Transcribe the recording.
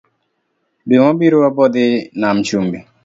Dwe mabiro abodhii nam chumbi